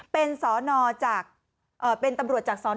เป็นสนจากเป็นตำรวจจากสน